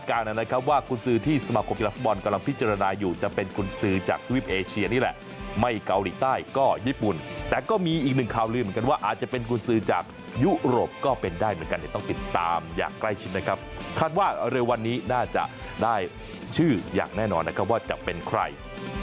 อาจจะเป็นกุญสือจากยุโรปก็เป็นได้เหมือนกันต้องติดตามอย่างใกล้ชิดนะครับขาดว่าระยะวันนี้น่าจะได้ชื่ออย่างแน่นอนว่าจะเป็นใคร